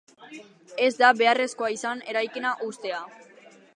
Ez da beharrezkoa izan eraikina hustea.